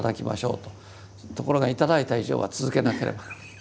ところが頂いた以上は続けなければ。